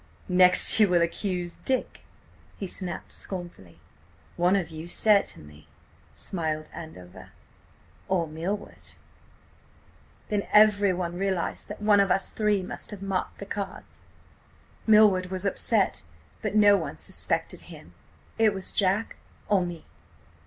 "'Next you will accuse Dick!' he snapped scornfully. "'One of you, certainly,' smiled Andover. 'Or Milward.' "Then everyone realised that one of us three must have marked the cards. Milward was upset, but no one suspected him. It was Jack–or me.